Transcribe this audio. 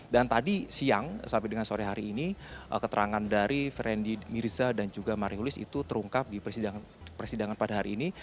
dan tadi siang sampai dengan sore hari ini keterangan dari feryandi mirza dan juga mariulis itu terungkap di persidangan pada hari ini